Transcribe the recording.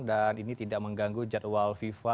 dan ini tidak mengganggu jadwal fifa